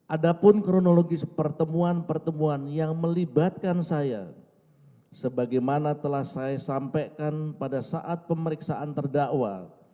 ada pun kronologis pertemuan pertemuan yang melibatkan saya sebagaimana telah saya sampaikan pada saat pemeriksaan terdakwa